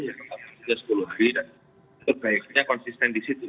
ya sebaiknya sepuluh hari dan sebaiknya konsisten di situ